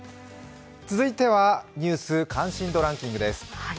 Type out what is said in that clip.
続いてはニュース関心度ランキングです。